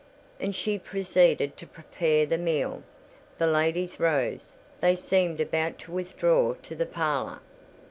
And she proceeded to prepare the meal. The ladies rose; they seemed about to withdraw to the parlour.